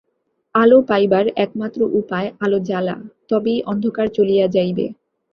আলো পাইবার একমাত্র উপায় আলো জ্বালা, তবেই অন্ধকার চলিয়া যাইবে।